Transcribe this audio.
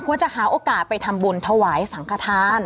ควรจะหาโอกาสไปทำบุญถวายสังขทาน